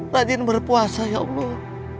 rajin berpuasa ya allah